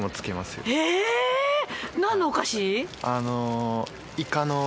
何のお菓子？